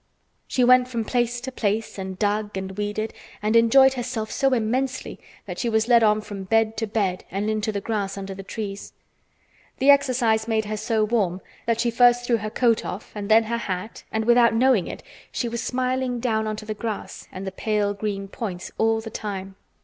She went from place to place, and dug and weeded, and enjoyed herself so immensely that she was led on from bed to bed and into the grass under the trees. The exercise made her so warm that she first threw her coat off, and then her hat, and without knowing it she was smiling down on to the grass and the pale green points all the time.